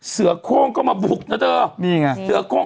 เสือโค้งก็มาบุกนะเธอ